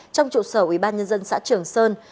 trong trụ sở ủy ban nhân dân xã trường sơn